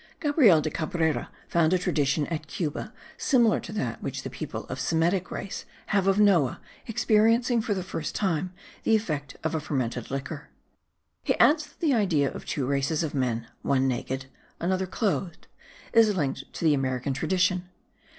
Gabriel de Cabrera found a tradition at Cuba similar to that which the people of Semitic race have of Noah experiencing for the first time the effect of a fermented liquor. He adds that the idea of two races of men, one naked, another clothed, is linked to the American tradition.